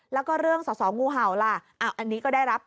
แล้วก็เรื่องสอสองูเห่าล่ะอันนี้ก็ได้รับ